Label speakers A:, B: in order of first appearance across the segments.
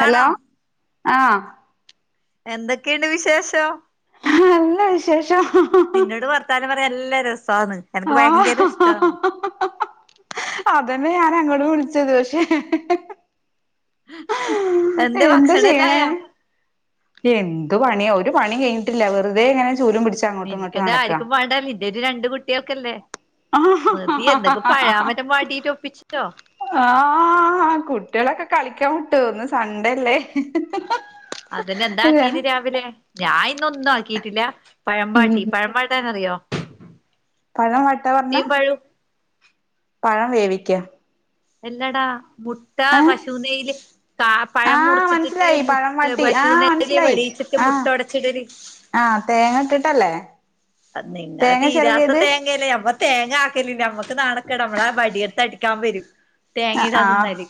A: Hello ആഹ്
B: എന്തൊക്കെയുണ്ട് വിശേഷം?
A: നല്ല വിശേഷം ഹ ഹ ഹ
B: കഥ പറയാൻ നല്ലരസാണ്
A: ആഹ് അതന്നെ ഞാൻ അങ്ങോട്ട് വിളിച്ചത് പക്ഷെ
B: എന്തെ
A: എന്താ ചെയ്യണേ
B: ഭക്ഷണല്ലായോ?
A: എന്ത് പണിയ ഒരു പണി കഴിഞ്ഞിട്ടില്ല. വെറുതെ ഇങ്ങനെ ചൂലും പിട്ച്ച്
B: [unintelligible] ആർക്കും വേണ്ട [unintelligible] ഒര് രണ്ട് കുട്ടിയേൾക്കല്ലേ, മതി എന്തൊക്കെ പഴാമറ്റം വാട്ടീറ്റ് ഒപ്പിച്ചല്ലോ.
A: ആഹ് ഹാ ഹാ കുട്ടിയാളൊക്കെ കളിക്കാൻ വിട്ടു ഇന്ന് സണ്ടല്ലേ.
B: അതിന് എന്താക്കീന് രാവിലെ ഞാൻ ഇന്ന് ഒന്നും ആക്കീട്ടില്ല. പഴം
A: ഉം
B: വാട്ടി പഴമ്പാട്ടാന്നറിയോ?
A: പഴംവാട്ടാ പർഞ്ഞ
B: പഴവും
A: പഴം വേവിക്ക
B: എല്ലടാ മുട്ട
A: ഏഹ്
B: പശുനെയ്യില് കാ പഴം
A: ആഹ്
B: മുറിച്ചിട്ടിട്ട്
A: മനസ്സിലായി പഴം
B: മുട്ട്
A: വാട്ടി ആഹ്
B: പശുനെയ്യില് വെളിയിച്ചിട്ട് മുട്ട ഒടച്ചിടല്.
A: ആ തേങ്ങ ഇട്ട്ട്ടല്ലേ?
B: അത്‌ നിങ്ങളെ തീരാത്ത തേങ്ങല്ലേ നമ്മ തേങ്ങ ആക്കല് ഇല്ല നമ്മക്ക് നാണക്കേടാ നമ്മളെ വടിയെട്ത്ത് അടിക്കാൻ വരും.
A: ആഹ് ആഹ്
B: തേങ്ങടാനിന്നാല്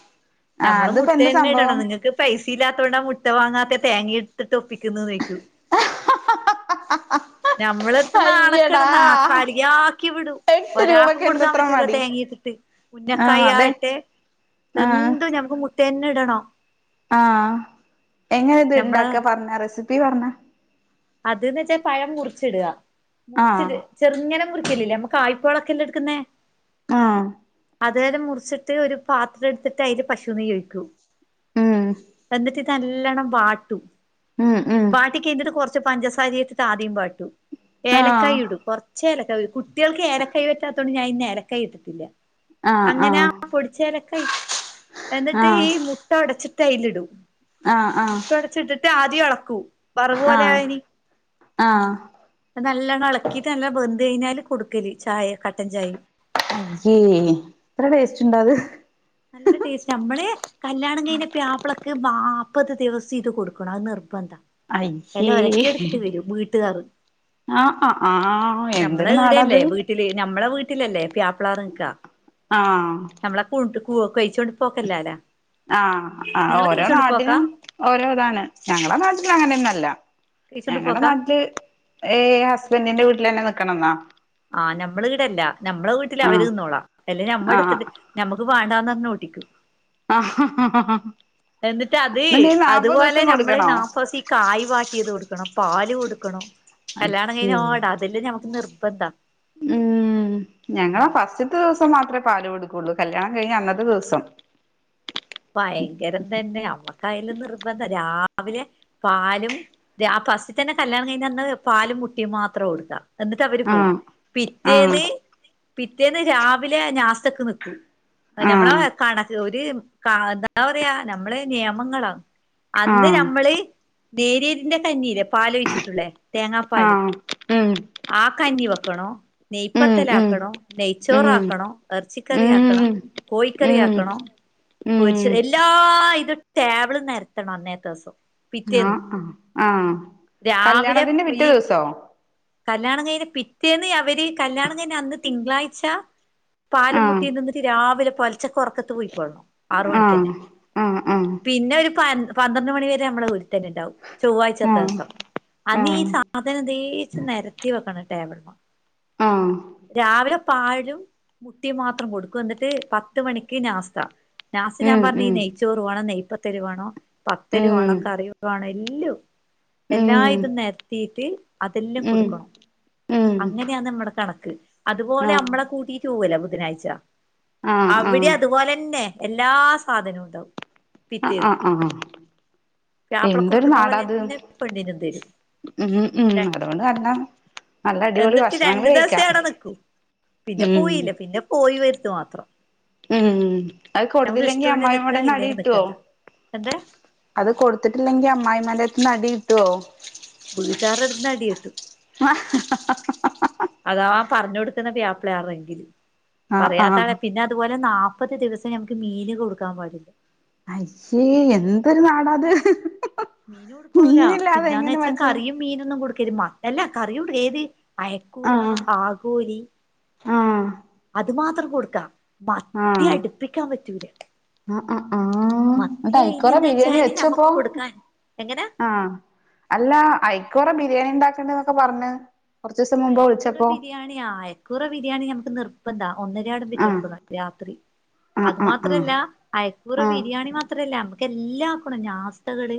A: ആഹ്
B: നമ്മള്
A: അതിപ്പോ എന്താ
B: മുട്ടന്നെ ഇടണം
A: സംഭവം
B: നിങ്ങൾക്ക്. പൈസ ഇല്ലതോണ്ട മുട്ട വാങ്ങാത്തെ തേങ്ങ ഇട്ടിട്ട് ഒപ്പിക്കുന്നേന്ന് ചോയിക്കും [unintelligible] നമ്മള്
A: അയ്യടാ
B: നാണക്കെടാ നാക്കാലി ആക്കി വിടും
A: എട്ട്
B: ഒരാക്കും
A: രൂപക്ക്
B: കൊടുക്കാൻ
A: എന്തത്ര
B: പറ്റൂല
A: മടി
B: തേങ്ങയിട്ടിട്ട്.
A: ആഹ്
B: ഉന്നക്കായ്
A: അതെ
B: യാട്ടെ
A: ആഹ്
B: എന്തും ഞമ്മക്ക് മുട്ടന്നെ ഇടണം.
A: ആഹ് എങ്ങനെ ഇത്
B: നമ്മള്
A: ഇണ്ടാക്ക പർഞ്ഞ റെസിപ്പി പർഞ്ഞ
B: അത് ന്ന് വെച്ചാ പഴം മുറിച്ചിട.
A: ആഹ്
B: മുറിച്ചിത് ചെറുങ്ങനെ മുറിക്കലില്ലേ നമ്മൾ കായ്പോളൊക്കെല്ല എടുക്കുന്നേ.
A: ആ
B: അതായത് മുറിച്ചിട്ട് ഒരു പാത്രം എടുത്തിട്ട് അതില് പശുനെയ്യ് ഒഴിക്കും
A: ഉം
B: എന്നിട്ട്. നല്ലോണം വാട്ടും.
A: ഉം ഉം
B: ഒക്കെ ഇട്ടിട്ട് കുറച്ച് പഞ്ചസാരയിട്ടിട്ട് ആദ്യംവാട്ടും.
A: ആഹ്
B: ഏലക്കായി ഇടും കൊർച്ച് ഏലക്കായിടും കുട്ടിയാൾക്ക് ഏലക്കയ് പറ്റാതോണ്ട് ഞാൻ ഇന്ന് ഏലക്കയ് ഇട്ടിട്ട്ല്ല.
A: ആഹ്
B: അങ്ങനെ ആ
A: ആഹ്
B: പൊടിച്ച ഏലക്കായ് എന്നിട്ട് ഈ
A: ആഹ്
B: മു ട്ട ഒടച്ചിട്ട് അയ്ലിടും
A: ആഹ്
B: മുട്ട
A: ആഹ്
B: ഒടച്ച് ഇട്ടിട്ട് ആദ്യം എളക്കും.
A: ആഹ് ആഹ്
B: നല്ലവണ്ണം ഇളക്കിട്ട് നല്ല ബന്ത് കഴിഞ്ഞാല് കൊടുക്കല് ചായ കട്ടൻ ചായ്
A: ഏഹ് ഇത്ര ടേസ്റ്റ് ഉണ്ടോ അത്.
B: നല്ല ടേസ്റ്റാനമ്മള് കല്ല്യാണം കഴിഞ്ഞ പ്ലാപ്പിളക്ക്‌ നാപ്പത് ദിവസം ഇത് കൊടുക്കണം അത് നിർബന്ധ.
A: അയ്യേ
B: എല്ലാ ഒലക്കെ എടുത്തിട്ട് വരും വീട്ടുകാര്.
A: ആഹ് ആ ആഹ് ആ.
B: ഞമ്മളെ വീടെല്ലേ വീട്ടില് ഞമ്മളെ വീട്ടിലല്ലേ പ്യാപ്ളാർ നിക്കാ
A: ആഹ്
B: നമ്മളെ പൂ കൊ കഴിച്ചോണ്ട് പോക്കല്ലാല്ലാ.
A: ആഹ് ആ ഓരോ നാടിനും ഓരോ ഇതാണ് ഞങ്ങളെ നാട്ടില് അങ്ങനെന്നും അല്ല
B: കഴിച്ചോണ്ട്
A: ഞങ്ങടെ
B: പോക്കാ
A: നാട്ടില് ഏഹ് ഹസ്ബൻഡിന്റെ വീട്ടിൽ തന്നെ നിക്കണംന്നാ
B: ആഹ് നമ്മുടെ ഇവിടെല്ല നമ്മളെ വീട്ടില് അവര്
A: ആഹ്
B: നിന്നോളാം അല്ല നമ്മെ
A: ആഹ്
B: എടുത്തിട്ട് നമുക്ക് വാണ്ടാന്ന് പറഞ്ഞ് ഓടിക്കും
A: [unintelligible]
B: എന്നിട്ട് അത്
A: എന്നിട്ട് ഈ നാപ്പത്
B: അതുപോലെ
A: ദിവസം
B: നമ്മള്
A: കൊടുക്കണോ
B: നാപ്പോസം ഈ കായ് വാട്ടിയത് കൊടുക്കണം പാല് കൊടുക്കണം കല്യാണം
A: അയ്യേ
B: കഴിഞ്ഞോടതില് ഞമ്മക്ക് നിർബന്ധം
A: ഉം ഞങ്ങളാ ഫസ്റ്റത്തെ ദിവസം മാത്രെ പാല് കൊടുക്കുള്ളൂ കല്യാണം കഴിഞ്ഞ് അന്നത്തെ ദിവസം
B: ഭയങ്കരം തന്നെ ഞമ്മക്കതിലും നിർബന്ധ രാവിലെ പാലും രാ ഫസ്റ്റി തന്നെ കല്യാണം കഴിഞ്ഞന്ന് പാലും മുട്ടേ മാത്ര കൊടുക്കാ എന്നിട്ട് അവര് പോവും
A: ആഹ് ആഹ്
B: പിറ്റേന്ന് പിറ്റേന്ന് രാവിലെ നാസ്ത്തക്ക് നിക്കും നമ്മള
A: ആഹ്
B: കണക്ക് ഒരു കാ എന്താ പറയാ നമ്മള് നിയമങ്ങളാ അന്ന്
A: ആഹ്
B: നമ്മള് നേരിയതിന്റെ കഞ്ഞില്ലേ പാല് വെച്ചിട്ടുള്ളേ തേങ്ങാ പാല്
A: ആഹ് ഉം
B: ആ കഞ്ഞി വെക്കണോ
A: ഉം ഉം
B: നെയ്യ്പത്തലാക്കണം
A: ഉം
B: നെയ്ച്ചോറാക്കണം എറച്ചിക്കറി ആക്കണം
A: ഉം ഉം
B: കോഴിക്കറിയാക്കണം
A: ഉം
B: പൊരിച്ച എല്ലാ ഇത് ടേബിളി നെരത്തണം അന്നേത്തെ ദിവസം
A: ആഹ്
B: പിറ്റേന്ന്
A: ആഹ് ആഹ്
B: രാവിലെ
A: കല്യാണത്തിന്റെ പിറ്റേ
B: ഈ
A: ദിവസോ
B: കല്യാണം കഴിഞ്ഞ പിറ്റേന്ന് അവര് കല്യാണം കഴിഞ്ഞ അന്ന് തിങ്കളാഴ്ച പാലും
A: ആഹ്
B: മുട്ടേ തിന്നിട്ട് രാവിലെ പൊലച്ചക്ക് ഒറക്കത്ത് പോയ്ക്കോള്ളണം ആറു മണിക്ക്
A: ആഹ്
B: തന്നെ
A: ആഹ് ആഹ്
B: പിന്നെ ഒരു പൻ പന്ത്രണ്ട് മണി വരെ നമ്മള വീട്ടി തന്നെ ഉണ്ടാവും ചൊവ്വാഴ്ചത്തെ
A: ആഹ്
B: ദിവസം അന്ന് ഈ
A: ആഹ്
B: സാ അതിനദേച്ച് നെരത്തി വെക്കണം ടേബിള്മ
A: ആഹ്
B: രാവിലെ പാലും മുട്ടയും മാത്രം കൊടുക്കും എന്നിട്ട് പത്ത് മണിക്ക് നാസ്ത നാസ്ത ഞാൻ
A: ഉം
B: പറഞ് ഈ
A: ഉം
B: നെയ്ച്ചോറ് വേണം നെയ്യ് പത്തല് വേണോ പത്തല് വേണോ കറി വേണോ എല്ലാം എല്ലാ
A: ഉം
B: ഇതും നെരത്തിട്ട് അതെല്ലാം
A: ഉം ഉം
B: കൊടുക്കണം
A: ഉം
B: അങ്ങനെയ നമ്മുടെ കണക്ക് അതുപോലെ
A: ആഹ്
B: നമ്മളെ കൂട്ടി ക്യൂല്ല ബുധനാഴ്ച
A: ആഹ്
B: അവിടെ
A: ആഹ്
B: അതുപോലെന്നെ എല്ലാ സാധനവും ഉണ്ടാവും
A: ആഹ്
B: പിറ്റേന്ന്
A: ആഹ് ആഹ്
B: പ്യാപ്പളക്ക്
A: എന്തൊരു
B: കൊടുക്കുന്ന
A: നാടാ അത്
B: പോലെന്നെ പെണ്ണിനും തരും
A: ഉം ഉം അതുകൊണ്ട് കല്യാണം നല്ല അടിപൊളി
B: എന്നിട്ട്
A: ഭക്ഷണങ്ങള്
B: രണ്ടു ദിവസേ
A: കഴിക്കാം
B: അവിടെ നിക്കൂ പിന്നെ
A: ഉം
B: പോയില്ല പിന്നെ പോയി വരുത്ത് മാത്രം
A: ഉം അത്
B: നമുക്ക്
A: കൊടുത്തില്ലെങ്കി
B: ഇഷ്ടമുണ്ടെ
A: അമ്മായി
B: നിക്കാ
A: അമ്മേടെന്ന്
B: ഇല്ലെങ്കിൽ
A: അടികിട്ടുവോ
B: നിക്കണ്ട എന്താ
A: അത് കൊടുത്തിട്ടില്ലെങ്കി അമ്മായി അമ്മേന്റെ അടുത്തുന്ന് അടി കിട്ടുവോ
B: വീട്ടുകാരുടെ അടുത്ത്ന്ന് അടികിട്ടും
A: [unintelligible]
B: അതാ പറഞ്ഞു കൊടുക്കുന്ന വ്യാപ്ള ആണെങ്കില് പറയാത്താണെ
A: ആഹ്
B: പിന്നെ അതുപോലെ നാപ്പത് ദിവസം ഞമുക്ക് മീന് കൊടുക്കാൻ പാടില്ല
A: അയ്യേ എന്തൊരു നാടാത്
B: മീൻ കൊടുക്കൂല
A: മീനില്ലാതെ
B: പിന്നന്ന്
A: എങ്ങനെ
B: വെച്ചാ
A: മനുഷ്യന്മാ
B: കറിയും മീനൊന്നും കൊടുക്കരുത് മ അല്ല കറിയോടു ഏത് അയക്കൂറ
A: ആഹ്
B: ആഗോലി
A: ആഹ്
B: അത് മാത്രം കൊടുക്കാം മത്തി അടുപ്പിക്കാൻ പറ്റൂല
A: ആഹ് ആഹ് ആഹ് ആഹ്
B: മത്തി
A: ങ്ങട്ടയ്ക്കോറ
B: അയിലന്ന്
A: ബിരിയാണി
B: വെച്ചാല്
A: വെച്ചപ്പോ
B: നമ്മുക്ക് കൊടുക്കാൻ എങ്ങനെ
A: ആഹ് അല്ല ഐക്കുറ ബിരിയാണിണ്ടാക്കെണ്ട് ന്നൊക്കെ പറഞ്ഞ് കൊറച്ച് ദിവസം മുമ്പ് വിളിച്ചപ്പോ
B: യാണി യായ് കുറെ ബിരിയാണി നമുക്ക് നിർപ്പന്താ ഒന്നരയാടം വെച്ച്
A: ആഹ്
B: കൊടുക്കണം രാത്രി
A: ആഹ്
B: അത്
A: ആഹ്
B: മാത്രല്ല അയ്ക്കൂറ
A: ആഹ്
B: ബിരിയാണി മാത്രല്ല നമുക്ക് എല്ലാം ആക്കണം നാസ്തകള്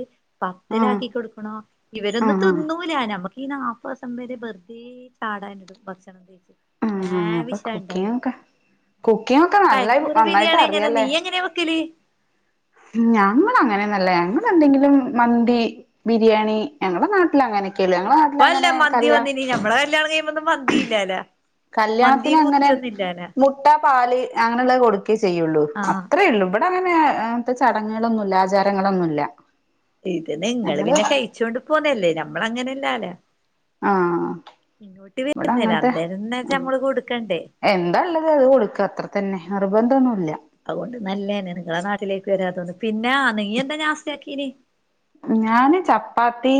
A: ആഹ് ആഹ്
B: പത്തലാക്കി കൊടുക്കണോ ഇവരൊന്നും
A: ആഹ്
B: തിന്നൂല നമുക്കി നാപ്പത് ദിവസം വരെ വെറു തീ ചാടാൻ ഇടും ഭക്ഷണം [inaudible]
A: ആഹ് ആഹ് അപ്പൊ
B: ലാവിശ
A: കുക്കിംഗ്
B: ഇണ്ടാവ
A: ഒക്കെ കുക്കിംഗ് ഒക്കെ നല്ല
B: ഐയ്ക്കൂറ
A: നന്നായിട്ട്
B: ബിരിയാണി എങ്ങനെ നീ
A: അറിയാല്ലേ
B: എങ്ങനെയ വെക്കലി
A: ഞങ്ങൾ അങ്ങനെന്നുവല്ല ഞങ്ങ എന്തെങ്കിലും മന്തി ബിരിയാണി ഞങ്ങളുടെ നാട്ടിൽ അങ്ങനെ [unintelligible] ങ്ങള നാട്ടില അങ്ങനെ കല്യാണ
B: ഞമ്മള കല്യാണം കഴിയ്പ ഒന്നും മന്തിയില്ലല്ലാ.
A: കല്യാണത്തിന് അങ്ങനെ മുട്ട പാല് അങ്ങനെയുള്ള കൊടുക്കുകേ ചെയ്യുള്ളൂ
B: ആഹ്
A: അത്രേള്ളു ഇവി ഇവിടെ അങ്ങനെ ങ്ങത്തെ ചടങ്ങുകളൊന്നും ഇല്ല ആചാരങ്ങളൊന്നുല്ല
B: ഇത് നിങ്ങള് പിന്നെ കഴിച്ചോണ്ട് പോന്നയല്ലേ ഞമ്മള് അങ്ങനെയല്ലാല
A: ആഹ്
B: ഇങ്ങോട്ട്
A: ഇവിടെ
B: വരുന്നില്ല
A: അങ്ങനത്തെ
B: അന്തേന്ന നഞമ്മള് കൊടുക്കണ്ടേ
A: എന്താ ഉള്ളത് അത് കൊടുക്ക അത്ര തന്നെ നിർബന്ധംന്നുല്ല
B: അതുകൊണ്ട് നല്ലേനെ നിങ്ങളെ നാട്ടിലേക്ക് വരാ തോന്നുന്നു പിന്നെ നീ എന്താ [unintelligible] കീന്
A: ഞാന് ചപ്പാത്തി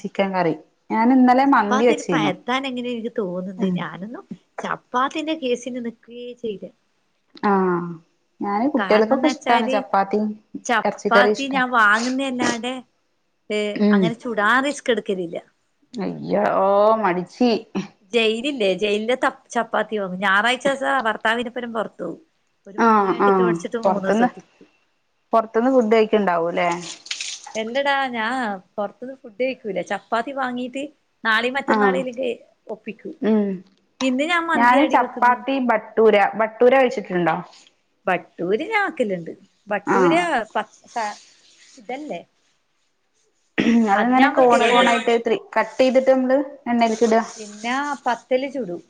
A: ചിക്കൻ കറി ഞാനിന്നലെ
B: ചപ്പാത്തില് പര്ത്താൻ എങ്ങനെ [unintelligible] തോന്നുന്നു
A: ഉം
B: ഞാനൊന്നും ചപ്പാത്തിന്റെ കേസിന് നിക്കുഎ ചെയ്യുല്ല
A: ആഹ് ഞാന് കുട്ടികൾക്കൊക്കെ
B: കാരണംന്ന്
A: ഇഷ്ടാണ്
B: വെച്ചാല്
A: ചപ്പാത്തിയും ഇറച്ചിക്കറിം
B: ചപ്പാത്തി
A: ഇഷ്ട.
B: ഏ
A: ഉം
B: അങ്ങനെ ചൂടാ റിസ്ക് എടുക്കലില്ല
A: അയ്യോ മടിച്ചി
B: ജയിലില്ലേ ജയിലെ ചപ്പാത്തി വങ്ങും ഞായറാഴ്ചേസം ഭർത്താവിനെപ്പരം പെറത്ത്‌ പോവും ഒരു മൂന്ന്
A: ആഹ്
B: പാക്കറ്റ് മടിച്ചിട്ട് മൂന്ന് ദിവസം എഡ്
A: പുറത്തുന്ന് ഫുഡ് കഴിക്കുണ്ടാവൂല്ലേ
B: എല്ലടാ ഞാൻ പോറത്തുന്ന് ഫുഡ് കഴിക്കൂല ചപ്പാത്തി വാങ്ങീട്ട് നാളെയും
A: ആഹ്
B: മറ്റന്നാളലൊക്ക ഒപ്പിക്കും
A: ഉം
B: ഇന്ന് ഞാൻ മന്തി ആടി വെക്കുന്ന
A: ട്ടൂര ബട്ടൂര കഴിച്ചിട്ടുണ്ടോ
B: ബട്ടൂരി ഞാക്കലുണ്ട്
A: ആഹ്
B: ബട്ടൂര് പ ആ ഇതല്ല
A: അത്ങ്ങനെ കോണ് കോണായിട്ട്
B: വെക്കലുണ്ട്
A: ത്രി കട്ട് ചെയ്തിട്ട് നമ്മള് എണ്ണൽക്ക് ഇടുക
B: പിന്ന പത്തല് ചുടും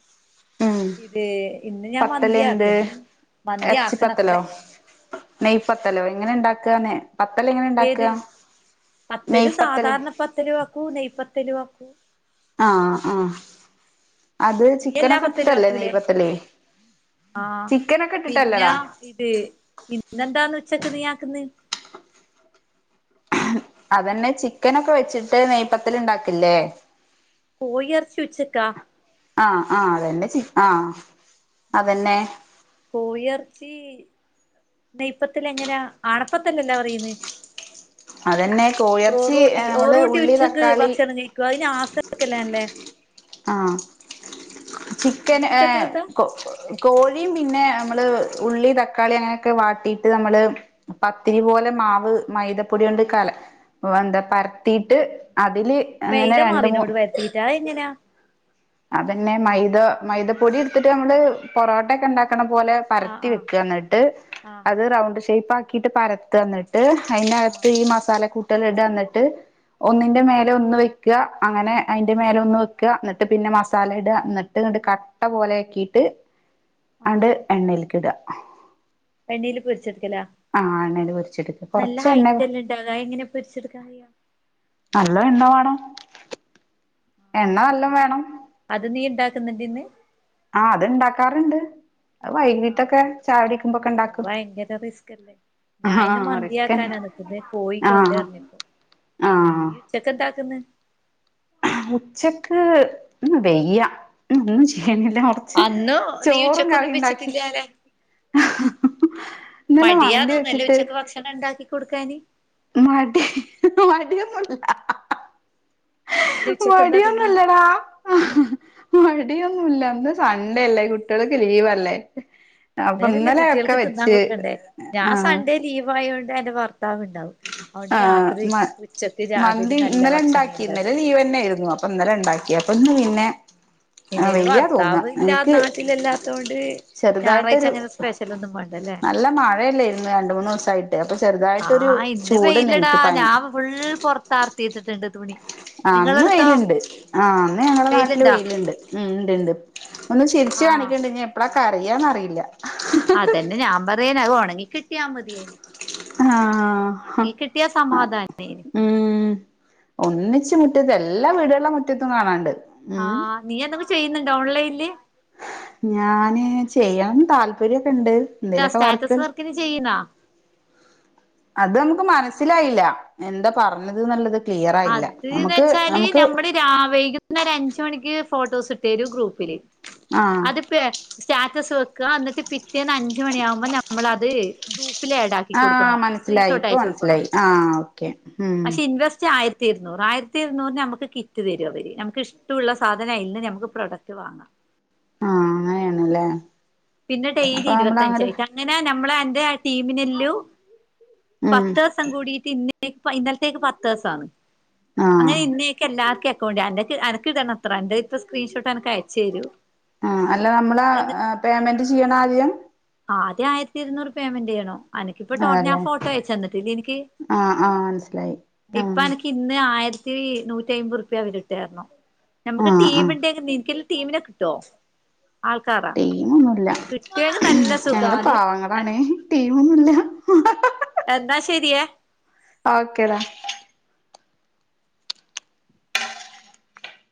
A: ഉം
B: ഇത് ഇന്ന് ഞാൻ
A: പത്തല് എന്ത്
B: മന്തിയാക്കന്ന് മന്തിയാക്കണത്ര
A: നെയപ്പത്തലോ എങ്ങനെ ഉണ്ടാക്കന്നെ പത്തല് എങ്ങനെ
B: ഏത്
A: ഉണ്ടാക്കുക നെയ്യ് പത്തല്
B: പ്പത്തല് വെക്കും നെയ്യ് പത്തല് വയ്ക്കും
A: ആഹ് ആഹ് അത്
B: നീ എല്ലാ
A: ചിക്കനൊക്കെ
B: പത്തലും
A: ഇട്ടിട്ടല്ലേ
B: ആക്കൂലേ
A: നെയപ്പത്തല്
B: ആഹ്
A: ചിക്കനൊക്കെ
B: പിന്നെ
A: ഇട്ടിട്ടല്ലേടാ
B: ഇത് ഇന്നെന്താന്ന് ഉച്ചക്ക് നീയാക്ക്ന്ന്
A: അതന്നെ ചിക്കനൊക്കെ വെച്ചിട്ട് നെയ്യ്പത്തില്ണ്ടാക്കില്ലേ
B: പോയി എറച്ചി ഉച്ചക്കാ
A: ആഹ് ആഹ് അതന്നെ ആഹ്
B: ആ
A: അതന്നെ
B: കോയിയെറച്ചി നെയ്യ്പ്പത്ത എങ്ങനാ ആണപ്പത്തല്ലല്ലാ പറയന്ന്
A: അതന്നെ കോഴിയെറച്ചി
B: ഓറോട്ടി
A: നമ്മള്
B: ഓറോട്ടി
A: ഉള്ളി
B: ഉച്ചക്ക്
A: തക്കാളി
B: ഭക്ഷണം കഴി [unintelligible]
A: ആഹ് ചിക്കന്
B: നിങ്ങള്
A: ഏ
B: ഉച്ചക്കാക്കാ
A: കൊ കോഴിം പിന്നെ നമ്മള് ഉള്ളി തക്കാളി അങ്ങനെയൊക്കെ വാട്ടിയിട്ട് നമ്മള് പത്തിരി പോലെ മാവ് മൈദപ്പൊടി കൊണ്ട് കല ഓ എന്താ പരത്തിട്ട് അതില് അങ്ങനെ
B: മെയ്ത
A: രണ്ട് മൂ
B: മാവിനോട് വെര്ത്തീറ്റാ അ എങ്ങെനാ
A: അതന്നെ മൈദ മൈദപ്പൊടി ഇട്ത്ത്ട്ട് നമ്മള് പൊറോട്ടൊക്കെ ഉണ്ടാക്ക്ണ പോലെ
B: ആഹ്
A: പരത്തി
B: ആഹ്
A: വെക്ക്അ ഇന്ന്ട്ട്
B: ആഹ്
A: അത് റൗണ്ട് ഷേപ്പാക്കീറ്റ് പരത്ത്അ ന്ന്ട്ട് ത്ത്
B: ആഹ്
A: ഐന്റകത്ത് ഈ മസാല കൂട്ട് ട്ട്ല്ടന്ന്ട്ട് ഒന്നിന്റെ മേല ഒന്ന് വെക്ക്അ അങ്ങനെ അയിന്റെ മേലെ ഒന്ന് വെക്അ ന്ന്ട്ട് ട്ട്പിന്നെ മസാലട്ആ ന്ന്ട്ട്ണ്ട് കട്ട പോലെയേകീറ്റ്
B: ആഹ്
A: അണ്ട് എണ്ണൈൽക്ക്ടാ
B: എണ്ണീല് പൊരിച്ചെട്ക്കലാ
A: ആ എണ്ണയിൽ പൊരിച്ചെടുക്കുക
B: നല്ല
A: കൊറച്ച് എണ്ണ
B: ഹൈറ്റല്ലേണ്ടാവാ എങ്ങനെ പൊരിച്ചെടുക്കാൻകയ്യാ
A: നല്ലം എണ്ണ വേണം എണ്ണ നല്ലംവേണം
B: അത് നീ എന്താക്ക്ന്ന്ണ്ട്ന്ന്
A: ആഹ് അത്ണ്ടാക്കാറ്ണ്ട് അത് വൈകീട്ടൊക്കെ ചായുടിക്കുമ്പോക്കെണ്ടാക്കും
B: വൈകീറ്റ് റിസ്കല്ലേ ഞാഇന്ന്
A: റിസ്കന്നെ
B: മന്തിയാക്കാന നിക്ക്ന്നെ
A: ആഹ്
B: കോഴിക്കൊണ്ടുവര്നിപ്പോ
A: ആഹ്
B: ഉച്ചക്കെന്താക്ക്ന്ന്
A: മുച്ചക്ക് ഇന്ന് വെയ്യ ഉം [unintelligible]
B: അന്ന് നീ ഉച്ചക്കൊന്നും വെച്ച്ട്ട്ല്യാലോ
A: ഇന്നലെ
B: മടിയാ
A: മന്തി
B: തോന്നൊല്ലേ
A: വെച്ചിട്ട്
B: ഉച്ചക്ക് ഭക്ഷണം ഇണ്ടാക്കി കൊടുക്കാന്
A: മടി മടിയൊന്നല്ല അ അ ആ
B: പിന്നെ ഉച്ചക്ക് എന്താ തിന്നാ
A: മടിയൊന്നുല്ലടാ ആഹ്ഹ്ഹ് മടിയൊന്നുല്ല ഇന്ന് സണ്ടെല്ലേ കുട്ടിയോളൊക്കെ ലീവല്ലേ അപ്പൊ
B: അന്നേരല്ലേ
A: ഇന്നലെ ഒക്കെ
B: കുട്ടിയേൾക്ക് തിന്നാൻ
A: വെച്ച്
B: കൊടുക്കണ്ടേ ഞാ
A: ആഹ്
B: സൺഡേ ലീവായോണ്ട് എന്റെ ഭർത്താവ് ണ്ടാവും
A: ആഹ് മ്അ
B: രാവിലെ
A: മന്തി
B: നല്ല
A: ഇന്നലെ
B: ഭക്ഷണേ
A: ഇണ്ടാക്കി
B: ഉണ്ടാക്കി
A: ഇന്നലെ
B: കൊടുക്കു
A: ലീവെ ന്നേര്ന്നു അ പ്പന്നലെ ഇണ്ടാക്ക്യപ്പ ഇന്ന് പിന്നെ ആഹ്
B: എന്റെന്
A: വെയ്യാ തോന്നാ
B: ഭർത്താവ് ഇല്ല
A: എനിക്ക്
B: നാട്ടിലില്ലാത്തോണ്ട് ഞാറായ്ച
A: ചെറുതായിട്ടൊരു
B: അങ്ങനെ സ്പെഷ് റ്റലന്നും വാണ്ടല്ലേ
A: നല്ല മഴയെല്ലേര്ന്ന് രണ്ട് മൂന്നൂസായിട്ട് അപ്പ ചെറ്തായിട്ടൊരു
B: ആഹ് ഇന്ന് പെയ്ലടാ ഞാ ഫുൾ പൊർത്താർത്തിയിച്ച്ട്ട്ണ്ട് തുണി
A: ആഹ് ഇന്ന്
B: നിങ്ങളെടുത്തോ
A: വെയ്ല്ണ്ട് ആഹ് ഇന്ന് ഞങ്ങളെ നാട്ടില്
B: വെയിലുണ്ടോ
A: വെയ്ല്ണ്ട് ഉം ഇണ്ട്ണ്ട് ഒന്ന് ചിരിച്ച്
B: ആഹ്
A: ആണിക്ക്ണ്ട് ഇഞ്ഞെ എപ്പളാ കരായാന്നറിയില്യ
B: അതന്നെ ഞാപറയന് അത് ഒണങ്ങി കിട്ടിയാമതിയേന്
A: ആഹ്
B: ഒണങ്ങി കിട്ടിയാസമാധാനേന്
A: ഉം ഒന്നിച്ച് മുറ്റത്ത് എല്ലാ വീട്കള്ടെ മുറ്റത്തും കാണാണ്ട് ഉം
B: ആഹ് നീ എന്തൊങ്കിലും ചെയ്യ്ന്ന്ണ്ടോ ഓൺലൈൻല്
A: ഞാന് ചെയ്യാന് താല്പര്യൊക്കെണ്ട്
B: എന്താ
A: ൻന്തേലെക്കെ വർക്ക്
B: സ്റ്റാറ്റസ് വർക്കിന് ചെയ്യുന്നാ
A: അതൊന്നുപ്പൊ മനസ്സിലായില്ല എന്താ പറഞ്ഞത് ന്ള്ളത് ക്ലിയറായില്ല
B: അത് ന്ന്
A: നമക്ക്
B: വെച്ചാല്
A: നമക്ക്
B: നമ്മള് രാ വൈക്ന്നേരം അഞ്ചു മണിക്ക് ഫോട്ടോസ് ഇട്ടേരും ഗ്രൂപ്പില്
A: ആഹ്
B: അതിപ്പെ എട്ട് സ്റ്റാറ്റസ് വെക്കാന്ന്ട്ട് പിറ്റേന്ന് അഞ്ച്മണിയാവുമ്പോ നമ്മളത് ഗ്രൂ പ്പിലേടാക്കി കൊടുക്കണോ
A: ആഹ് മനസ്സിലായി
B: സ്ക്രീൻഷോട്ട്
A: ഇപ്പൊ
B: അയച്ചൊട്ക്കണോ
A: മനസ്സിലായി ആഹ് ഓക്കെ ഉം
B: പക്ഷെ ഇൻവെസ് ച്ച്ആയ്ര്ത്തി ഇര്ന്നൂറ് ആയിര്ത്തി ഇര്ന്നൂറിന് ഞമ്മക്ക് കിറ്റ് തെരും അവര് നമുക്ക് ഇഷ്ടുള്ള സാധനൈ ല്ന്ന് ഞമുക്ക് പ്രൊഡക്ട് വാങ്ങാ
A: ആഹ് അങ്ങനേണ് ലെ
B: പിന്നെ ഡെെലി ഇരുവത്തഞ്ചായിറ്റ് അങ്ങനെ നമ്മളെ അന്റെ ആഹ് ടീമിനെല്ലും
A: ഉം
B: പത്ത് സ് സം കൂടീറ്റ് ഇന്നെ ഇന്നെലെത്തേക്ക് പത്ത്സ്വാവും
A: ആഹ്
B: അങ്ങനെ ഇന്നേക്കെ എല്ലാർക്കെ കാേണ്ടിഅന്റക്ക് അനക്ക് ഇട്ണത്രണ്ട് ട്ത്ത സ്ക്രീൻഷോട്ട്നക്ക് അയച്ചെരും
A: ആഹ് അല്ല നമ്മള് ആഹ് ആഹ് പേയ്മെന്റ് ച്യ്യണാദ്യം
B: ആദ്യം ആയിരത്തി ഇര്ന്നൂറ് പേയ്മെന്റ്യ്യണം അനിക്കിപ്പ ടോ ഞാൻ
A: അതല്ലേ
B: ഫോട്ടോഅയച്ച ന്നാട്ടില്ലേ എനിക്ക്
A: ആഹ് ആഹ് മനസ്സിലായി
B: ഇപ്പ
A: ആഹ്
B: അനിക്ക് ഇന്ന് ആയിരത്തി നൂറ്റി അയിമ്പത് രുപ്യ അവരിട്ടാരരുന്നു നമുക്ക്
A: ആഹ് ആഹ്
B: ടീമിണ്ട ടീമിനെ കിട്ടുവോ ആൾക്കാര
A: ടീം ഒന്നുല്ല ഞങ്ങള്
B: സുഖാണ്
A: പാവങ്ങളാണെ ടീം ഒന്നുല്ല.
B: എന്നാ ശരിയേ
A: ഓക്കേ ടാ